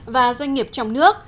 và doanh nghiệp trong nước